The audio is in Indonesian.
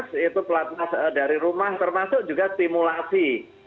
yaitu pelatnah dari rumah termasuk juga stimulasi